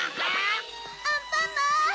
アンパンマン！